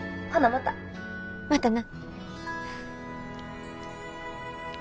またな。